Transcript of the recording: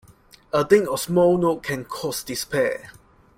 A thing of small note can cause despair.